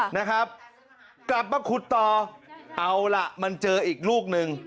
นะครับกลับมาขุดต่อเอาล่ะมันเจออีกลูกหนึ่ง